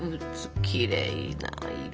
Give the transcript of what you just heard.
きれいな色。